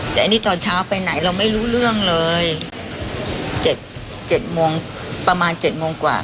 แต่อันนี้ตอนเช้าไปไหนเราไม่รู้เรื่องเลย๗๗โมงประมาณ๗โมงกว่า